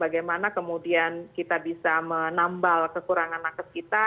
bagaimana kemudian kita bisa menambal kekurangan nakes kita